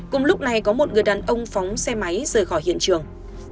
cùng lúc này có một người đàn ông phóng xe máy rời khỏi hiện trường